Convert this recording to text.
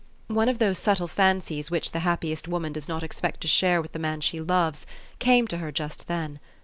One of those subtle fancies which the happiest woman does not expect to share with the man she loves, came to her just then.